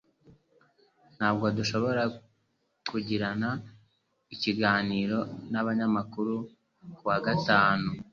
Ntabwo dushobora kugirana ikiganiro nabanyamakuru kuwa gatanu.